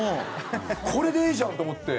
これでいいじゃんと思って。